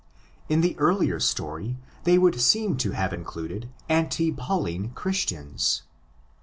In the earlier story they would seem to have included anti Pauline Christians.